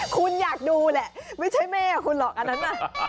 คุณอยากดูแหละไม่ใช่แม่คุณหรอกอันนั้นน่ะ